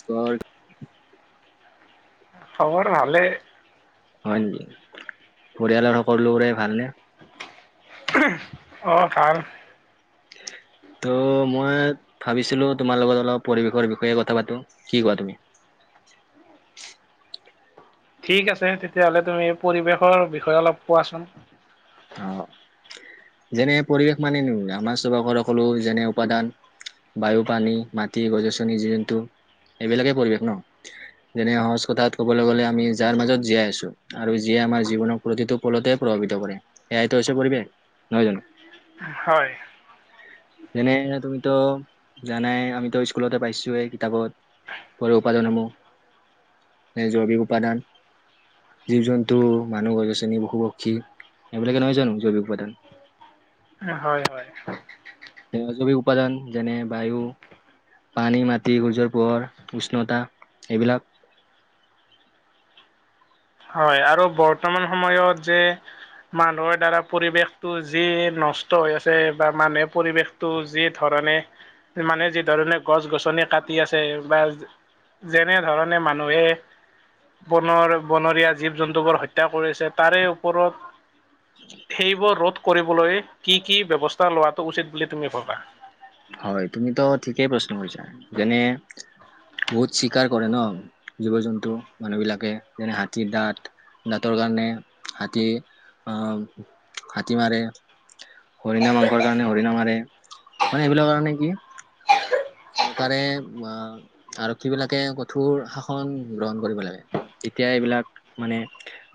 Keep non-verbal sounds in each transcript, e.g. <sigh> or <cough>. স্কাৰ্ড খবৰ ভালে হয়কি পৰিয়ালৰ সকলোৰে ভালনে অ ভাল <unintelligible> ত' মই ভাবিছিলো তোমাৰ লগত অলপ পৰিৱেশৰ বিষয়ে কথা পাতো কি কোৱা তুমি <unintelligible> ঠিক আছে তেতিয়াহ'লে তুমি পৰিৱেশৰ বিষয়ে অলপ কোৱাচোন অ যেনে পৰিৱেশ মানেনো আমাৰ পাখৰ সকলো যেনে উপাদান বায়ু পানী মাটি গছ গছনি জীৱ জন্তু এইবিলাকে পৰিৱেশ ন যেনে সহজ কথাত ক'বলৈ গ'লে আমি যাৰ মাজত জীয়াই আছো আৰু জীয়াই আমাৰ জীৱনক প্ৰতিটো পলতে প্ৰভাৱিত কৰে এয়াইতো হৈছে পৰিবেশ নহয় জানো হয় যেনে তুমিতো জানাই আমিতো স্কুলতে পাইছোৱে কিতাপত কৰিব পৰা যাব জৈৱিক উপাদান জীৱ-জন্তু, মানুহ, গছ-গছনি, পশু-পক্ষী এইবিলাকে নহয় জানো, জৈৱিক উপাদান? হয় - হয়। সেয়া জৈৱিক উপাদান, যেনে বায়ু, পানী, মাটি, সূৰ্যৰ পোহৰ, উষ্ণতা এইবিলাক <unintelligible> হয় আৰু বৰ্তমান সময়ত যে মানুহৰ দ্বাৰা পৰিৱেশটো যি নষ্ট হৈ আছে বা মানুহে পৰিৱেশটো যি ধৰ ণে, মানে যি ধৰণে গছ-গছনি কাটি আছে বা যেনেধৰণে মানুহে বনৰ- বনৰীয়া জীৱ-জন্তুবোৰ হত্যা কৰিছে। তাৰে ওপৰত সেইবোৰ ৰোধ কৰিবলৈ কি - কি ব্যৱস্থা লোৱাটো উচিত বুলি তুমি ভাবা? হয়, তুমিতো ঠিকেই প্ৰশ্ন কৰিছা। যেনে বহুত চীকাৰ কৰে ন জীৱ জন্তু মানুহ বিলাকে যেনে হাতীৰ দাঁত দাঁতৰ কাৰণে হাতী আহ হাতী মাৰে হৰিণা মাংসৰ কাৰণে হৰিণা মাৰে মানে এইবিলাক কাৰণে কি চৰকাৰে আহ আৰক্ষী বিলাকে কঠোৰ শাসন গ্ৰহণ কৰিব লাগে এতিয়া এইবিলাক মানে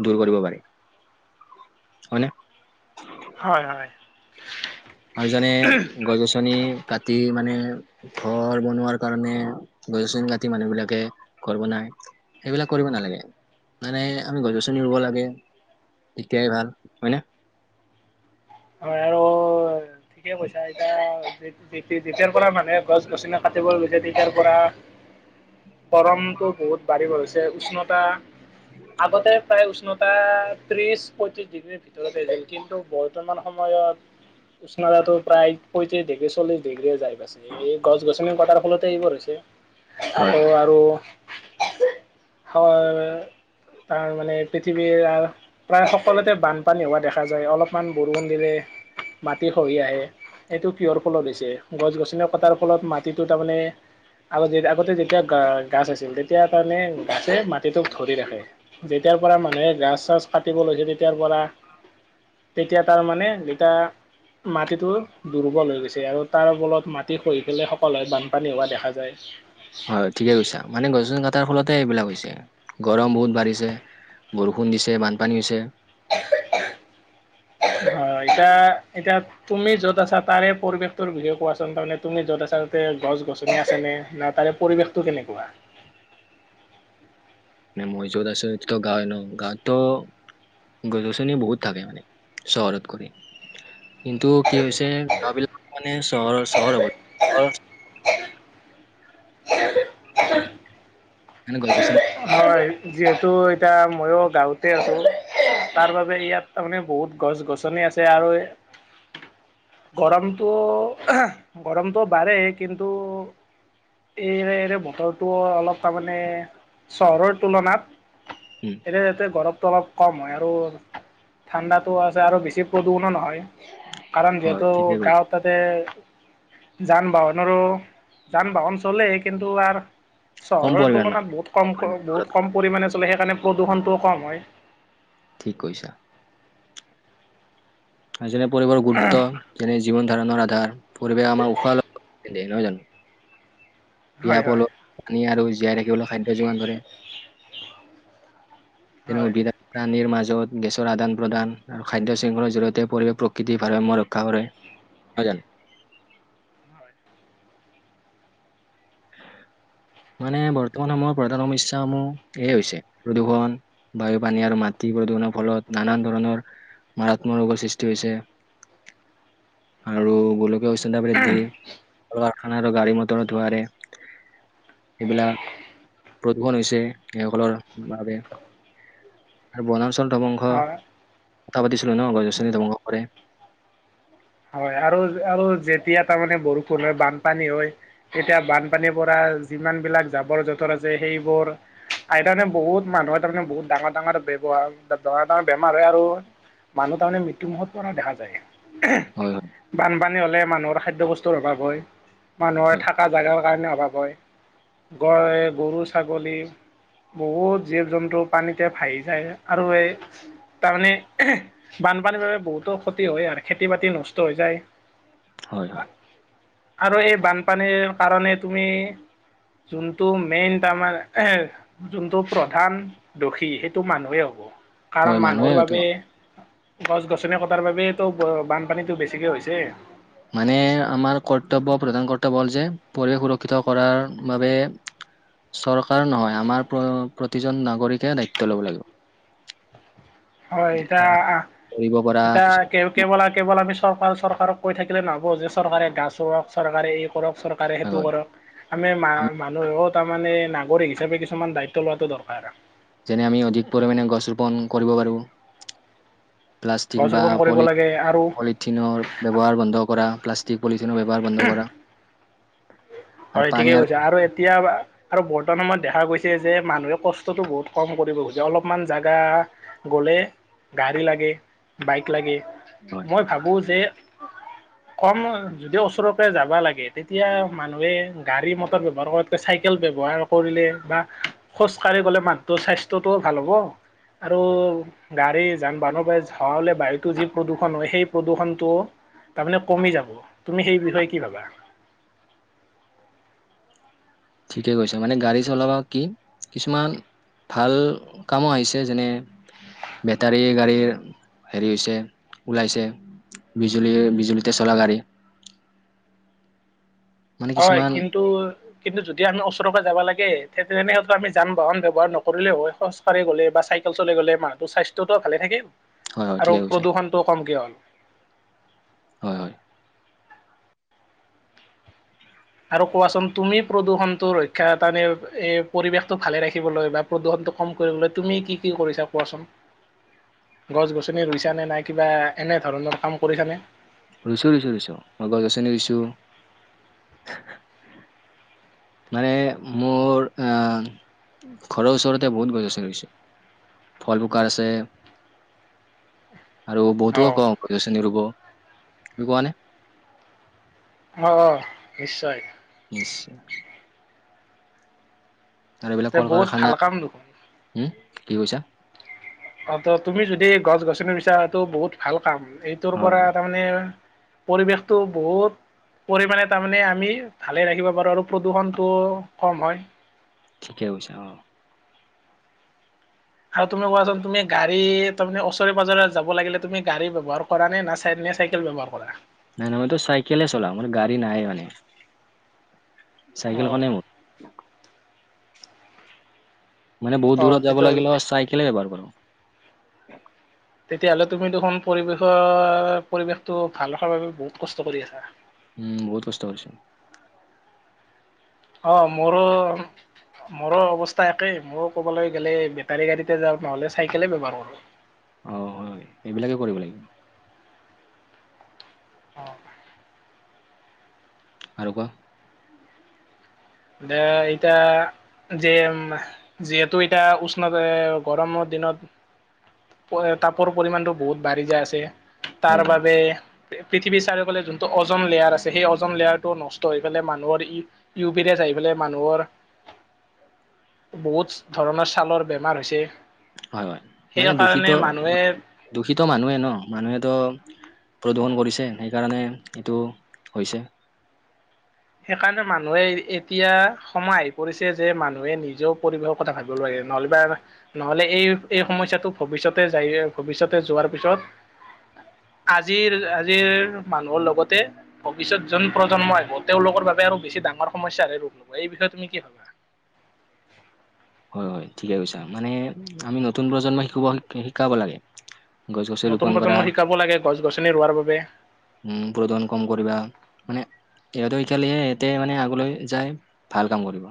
দূৰ কৰিব পাৰি হয়নে? হয় হয় আৰু জানে, গছ-গছনি কাটি মানে ঘৰ বনোৱাৰ কাৰণে গছ-গছনি কাটি মানুহবিলাকে ঘৰ বনায়। সেইবিলাক কৰিব নালাগে। নাই - নাই, আমি গছ-গছনি ৰুব লাগে। তেতিয়াই ভাল, হয় নে? হয় আৰু ঠিকেই কৈছা। এতিয়া যে- যেতি- যেতিয়াৰ পৰা মানুহে গছ-গছনি কাটিবলৈ ল ছে, তেতিয়াৰ পৰা গৰমটো বহুত বাঢ়ি গৈছে। উষ্ণতা আগতে প্ৰায় উষ্ণ টা ত্ৰিশ- পঁয়ত্ৰিশ ডিগ্ৰীৰ ভিতৰতে গ'ল। কিন্তু বৰ্তমান সময়ত উষ্ণতাটো প্ৰায় পয়ত্ৰিশ ডিগ্ৰী, চল্লিশ ডিগ্ৰীয়ে যাই পাইছে। এই গছ-গছনি কটাৰ ফলতে এইবোৰ হৈছে। হয় আকৌ হয় আৰু <unintelligible> হয়। তাৰ মানে পৃথিৱীৰ প্ৰায় সকলোতে বানপানী হোৱা দেখা যায়। অলপমান বৰষুণ দিলে মাটি খহি আহে এইটো কিহৰ ফলত হৈছে? গছ-গছনি কটাৰ ফলত মাটিটো তাৰমানে আগত যে- আগতে যেতিয়া গা- গাছ আছিল, তেতিয়া তাৰানে গাছে মাটিটোক ধৰি ৰাখে। যেতিয়া ৰ পৰা মানুহে গাছ-চাছ কাটিব লৈছে, তেতিয়াৰ পৰা তেতিয়া তাৰ মানে এইতা মাটিটো দুৰ্বল হৈ গৈছে আৰু তাৰ ফলত মাটি খহি পেলাই সকলোৱে বানপানী হোৱা দেখা যায়। হয়, ঠিকে কৈছা। মানে গছ-গছনি কা টাৰ ফলতে এইবিলাক হৈছে। গৰম বহুত বাঢ়িছে, বৰষুণ দিছে, বানপানী হৈছে <unintelligible> হয়, এতিয়া- এতিয়া তুমি য'ত আছা, তাৰে পৰিৱেশটোৰ বিষয়ে কোৱাচোন। তাৰমানে তুমি য'ত আছা তাতে গছ-গছনি আছে নে? না তাৰে পৰিৱেশটো কেনেকুৱা? <unintelligible> ন মই য'ত আছোঁ, সেইটোতো গাওঁ ন'? গাওঁটো গছ-গছনি বহুত থাকে মানে, চহৰত কৰি। কিন্তু কি হৈছে, গাওঁবিলাক মানে চহৰৰ- চহৰ হ'ব চহৰ মানে গছ-গছনি হয় যিহেতু এতিয়া মইয়ো গাঁৱতে আছোঁ তাৰ বাবে ইয়াত তাৰমানে বহুত গছ-গছনি আছে আৰু গৰমটো গৰমটো বাঢ়েই কিন্তু। এইৰে এইৰে বতৰটো অলপ তাৰমানে চহৰত। তুলনাত উম এনে যাতে গৰম। টো অলপ কম হয় আৰু ঠাণ্ডাটো আছে আৰু বেছি প্ৰদূষণো নহয়। কাৰণ হয় যিহেতু ঠিকে কৈছা গাঁৱত তাতে। যান বাহনৰো যান বাহন চলে কিন্তু আৰ। কম চহৰৰ পৰিমাণ মানে তুলনাত বহুত কম পৰিমাণ চহৰত বহুত কম পৰিমণে চলে সেইকাৰণে প্ৰদূষণটোও কম হয়। ঠিক কৈছা। যেনে পৰিৱেশৰ গুৰুত্ব যেনে জীৱন ধাৰণৰ আধাৰ পৰিৱেশ আমাৰ উশাহ। তে নহয় জানো। হয় বিয়া হয় পল পানী আৰু জীয়াই ৰাখিবলৈ খাদ্য যোগান ধৰে। তেওঁনে হয় বিধ প্ৰাণীৰ মাজত গেছৰ আদান প্ৰদান আৰু খাদ্য শৃংখলাৰ জৰিয়তে। পৰিৱেশ প্ৰকৃতি ভাৰাসাম্য ৰক্ষা কৰে। <unintelligible> <inaudible> মানে বৰ্তমান সময়ৰ প্ৰধান সমস্যাসমূহ এয়ে হৈছে, প্ৰদূষণ, বায়ু, পানী আৰু মাট্ টি প্ৰদূষণৰ ফলত নানান ধৰণৰ মাৰাত্মক ৰোগৰ সৃষ্টি হৈছে। আৰু গোলকীয় উচ্চতা বৃদ্ধি ক কাৰখানা আৰু গাড়ী মটৰত ধুৱাৰে। সেইবিলাক। প্ৰদূষণ হৈছে সেইসকলৰ বাবে আৰু বনাঞ্চল ধ্বংস। হয় কথা পাতিছিলো ন গজ গছনি ধ্বংস কৰে। হয় আৰু আৰু যেতিয়া তাৰমানানে বৰষুণ হয় বানপানী হয়। এতিয়া বানপানীৰ পৰা যিমান বিলাক জাবৰ জোথৰ আছে সেইবোৰ। আ তাৰানে বহুত মানুহৰ তাৰমানে বহুত ডাঙৰ ডাঙৰ ব্যৱহাৰ ডাঙৰ ডাঙৰ বেমাৰ হয় আৰু। মানুহ তাৰমানে মৃত্যুমুখত পৰা দেখা যায়। হয় হয়। পানী হ'লে মানুহৰ খাদ্য বস্তুৰ অভাৱ হয় মানুহৰ হয় থকা জেগাৰ কাৰণে অভাৱ হয়। গডে গৰু ছাগলী। বহুত জীৱ জন্তু পানীতে ভাহি যায় আৰু এই। তাৰমানে বানপানীৰ বাবে বহুতো ক্ষতি হয় আৰু খেতি বাতি নষ্ট হৈ যায়। হয় হয় হয় আৰু এই বানপানীৰ কাৰণে তুমি। যোনটো মেইন তাৰমানাৰ এ যোনটো প্ৰধান দোষী সেইটো মানুহে হ'ব। হয় কাৰণ মানুহে মানুহৰ হয়তো বাবে গছ গছনি কটাৰ বাবে তো বানপানীতটো বেছি। ঠিকে হৈছে। মানে আমাৰ কৰ্তব্য প্ৰধান কৰ্তব্য হ'ল যে পৰিৱেশ সুৰক্ষিত কৰাৰ বাবে। চৰকাৰ নহয় আমাৰ প্ৰতিজন নাগৰিকে দায়িত্ব ল'ব লাগিব। হয় এতিয়া আহ। কৰিব পৰা তেতিয়া কে কিছুমান কেৱল আৰু কেৱল আমি চৰকাৰ চৰকাৰক কৈ থাকিলে নহ। যে চৰকাৰে গা চ ৰক চৰকাৰে এই কৰক চৰকাৰে উপায় সেইটো হয় কৰক আমি মা মানুহত। তাৰ মানে নাগৰিক হিচাপে কিছুমান দায়িত্ব লোৱাটো দৰকাৰ। যেনে আমি অধিক পৰিমাণে গছ ৰোপন কৰিব পাৰো। প্লাষ্টিক গছ বা ৰোপন কৰিব লাগে আৰু পলিথিনৰ ব্যৱহাৰ বন্ধ কৰা প্লাষ্টিক। পলিথিনৰ ব্যৱহাৰ বন্ধ কৰা আৰু হয় পানী ঠিকেই কৈছে আৰু এতিয়া। আৰু বৰ্তমান সময়ত দেখা গৈছে যে মানুহে কষ্টটো বহুত কম কৰিব খুজে অলপমান জেগা গ'লে। গাড়ী লাগে বাইক লাগে। হয় মই ভাবো যে কম যদিওচ। যাব লাগে তেতিয়া মানুহে গাড়ী মতৰ ব্যৱহাৰ কৰোঁতে চাইকেল ব্যৱহাৰ কৰিলে। খোজ কাঢ়ি গ'লে মাতটোৰ স্বাস্থ্যটোও ভাল হ'ব। আৰু গাড়ী যান বাহনৰ পৰা ধৰা হলে বায়ুতো যি প্ৰদূৰণ হয় সেই প্ৰদূষণটো। তাৰমানে কমি যাব তুমি সেই বিষয়ে কি ভাবা। ঠিকে কৈছে মানে গাড়ী চলাব কি কিছুমান। ভাল কামো আহিছে যেনে। বেটাৰী গাড়ীৰ হেৰি হৈছে ওলাইছে। বিজুলী বিজুলীতে চলা গাড়ী মানে হয় কিছুমান কিন্তু কিন্তু। যদি আমি ওচৰে যাব লাগে তেনেক্ষেত্ৰত আমি যান বাহন ব্যৱহাৰ নকৰিলেও হয় খোজকাঢ়ি গ'লে বা চাইকেল চলাই'। গলে মানহটো স্বাস্থ্যতো ভালে থাকে হয় হয় আৰু ঠিকে কৈছে প্ৰদূষণতটো কমকে হ'ল। হয় হয়। আৰু কোৱাচোন তুমি প্ৰদূষণতটো ৰক্ষা তাৰানে এ পৰিৱেশতটো ভালে ৰাখিবলৈ বা প্ৰদূষণ। কম কৰিলে তুমি কি কি কৰিছা কোৱাচোন। <unintelligible> গছ গছনি ৰুইছ নে নাই কিবা এনে ধৰণৰ কাম কৰিছানে। ৰুইছো ৰুইছো ৰুইছো মই গছ গছনি ৰুইছো। মানে মোৰ অ। ঘৰৰ ওচৰতে বহুত গছ গছনি ৰুইছো ফল ফকাৰ আছে। <unintelligible> আৰু বহুতকো অ', কওঁ গছ গছনি ৰুব তুমি কোৱা নে? অ নিশ্চয়। আচ্ছা। আৰু এইবিলাক তে কল বহুত ভাল কাৰখানা কাম দেখোন। হম কি কৈছা অ ত তুমি যদি গছ গছনি বিচাৰা এইটো বহুত ভাল কাম এইটোৰ হয় পৰা হয় তাৰমানে। পৰিৱেশতটো বহুত। পৰিমাণে তাৰমানে আমি ভালে ৰাখিব পাৰো আৰু প্ৰদূষণটো কম হয়। ঠিকে হৈছে অ। আৰু তুমি কোৱাচোন তুমি গাড়ী তাৰমানে ওচৰে পজৰে যাব লাগিলে তুমি গাড়ী ব্যৱহাৰ কৰা নে চাইকেল। নে চাইকেল ব্যৱহাৰ কৰা। নাই নাই মই তো চাইকলে চলাও গাড়ী নাই মানে। অ', চাইকেলখনে মোৰ। মানে বহুত অ', দূৰত যাব তেতিয়া লাগিলে চাইকলে ব্যৱহাৰ কৰো। তেতিয়াহ'লে তুমি দেখোন পৰিৱেশৰ পৰিৱেশটো ভাল ৰখাৰ বাবে বহুত কষ্ট কৰি আছা। উম বহুত কষ্ট কৰিছো। অ মোৰো। মোৰো অৱস্থা একে মইো ক'বলৈ গলে বেটাৰী গাড়ীতে যাওঁ নহলে চাইকেলে ব্যৱহাৰ কৰো। অ হয় এইবিলাকে কৰিব লাগিব। অ। আৰু কোৱা। দে এতিয়া। যে যিহেতু এতিয়া উষ্ণতা গৰমৰ দিনত। তাপৰ পৰিমণটো বহুত বাঢ়ি যায় আছে তাৰ হয় হয় বাবে। পৃথিৱী চাৰওাললে যোনটো ওজন লেয়াৰ আছে সেই ওজন লেয়াৰ টো নষ্ট হৈ পেলাই মানুহৰ ই। বেৰিয়াছ আহি পেলাই মানুহৰ। বহুত ধৰণৰ ছালৰ বেমাৰ হৈছে। হয় হয় মানে দূষিত সেইকাৰণে মানুহে দূষিত মানুহে ন মানুহেতো। প্ৰদূষণ কৰিছে সেইকাৰণে এইটো হৈছে। সেইকাৰণে মানুহে এতিয়া সময় আহি পৰিছে যে মানুহে নিজেও পৰিৱেশৰ কথা ভাবিব লাগে নহলে। বা নহলে এই এই সমস্যাটো ভৱিষ্যতে যায় ভৱিষ্যতে যোৱাৰ পিছত <unintelligible> আজিৰ আজিৰ মানুহৰ লগতে ভৱিষ্যত যোন প্ৰজন্ম আহিব। তেওঁলোকৰ বাবে আৰু বেছি ডাঙৰ সমস্যা হে ৰূপ লব এই বিষয়ে তুমি কি ভাবা। হয় হয় ঠিকে কৈছা মানে আমি নতুন প্ৰজন্মই শিক শিকাব লাগে। গছ গছনি নতুন ৰুপন কৰা প্ৰজন্মক শিকাব লাগে গছ গছনি ৰোৱাৰ বাবে উম প্ৰদূষণ কম কৰিবা মানে সিহঁতক শিকালে হেতে মানে আগলৈ যাই ভাল কাম কৰিব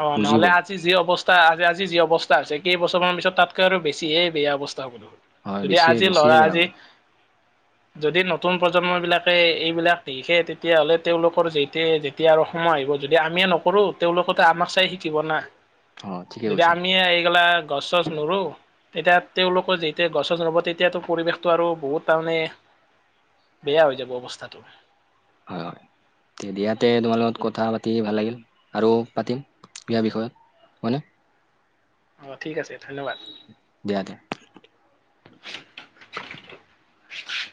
অ বুজিব নহ'লে আজি যি অৱস্থা আজি আজি যি অৱস্থা হৈছে কেইবছৰমানৰ পিছত তাতকৈ আৰু বেছিয়ে বেয়া অৱস্থা হয় যদি বেছিয়ে আজি বেছিয়ে লৰা বেয়া হ'ব আজি যদি নতুন প্ৰজন্ম বিলাকে এইবিলাক লিখে তেতিয়াহ'লে, তেওঁলোকৰ যেতিয়া যেতিয়া আৰু সময় আহিব যদি আমিয়ে নকৰো, তেওঁলোকৰ তা আমাক চাই শিকিব না অ ঠিকে তেতিয়া কৈছা আমিয়ে এইগিলা গছ চছ নোৰু তেতিয়া তেওঁলোকৰ যেতিয়া গছ গছ নোৰোব তেতিয়াতো পৰিৱেশটো আৰু বহুত তাৰমানে বেয়া হৈ যাব অৱস্থাটো। হয় হয়, তে দিয়াতে তোমাৰ লগত কথা পাতি ভাল লাগিল আৰু পাতিম। ইয়াৰ বিষয়ত হয়নে? অ ঠিক আছে ধন্যবাদ। দিয়া দিয়া।